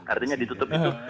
artinya ditutup itu